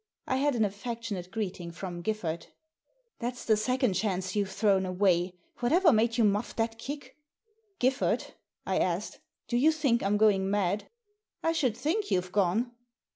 I had an affectionate greeting from Giffard. "That's the second chance you've thrown away. Whatever made you muff that kick ?"" Giffard," I asked, " do you think I'm going mad ?"" I should think you've gone."